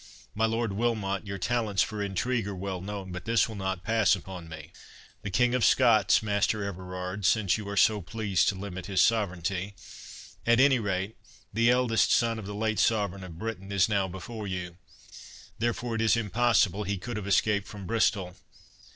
—My Lord Wilmot, your talents for intrigue are well known; but this will not pass upon me." "The King of Scots, Master Everard," replied Charles, "since you are so pleased to limit his sovereignty—at any rate, the Eldest Son of the late Sovereign of Britain—is now before you; therefore it is impossible he could have escaped from Bristol.